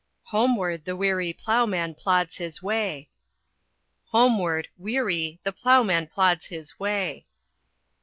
Homeward the weary ploughman plods his way. Homeward, weary, the ploughman plods his way.